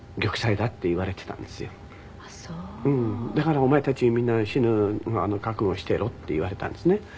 だからお前たちみんな死ぬの覚悟してろって言われたんですね。